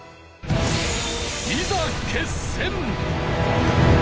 いざ決戦！